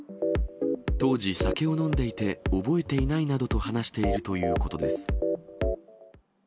当時、酒を飲んでいて、覚えていないなどと話しているということです。